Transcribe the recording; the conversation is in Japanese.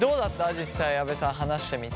実際阿部さん話してみて。